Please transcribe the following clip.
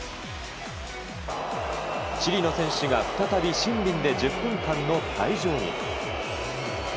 チリの選手が再びシンビンで１０分間の退場に。